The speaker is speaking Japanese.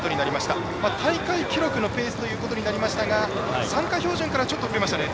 大会記録のペースとなりましたが参加標準からちょっと遅れましたね。